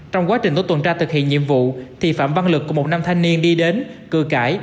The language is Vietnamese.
trong quá trình tổ tùng tra thực hiện nhiệm vụ thì phạm văn lực một năm thanh niên đi đến cười cãi